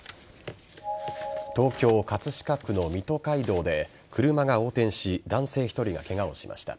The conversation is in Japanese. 東京・葛飾区の水戸街道で車が横転し男性１人がケガをしました。